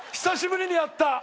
久しぶりにやった！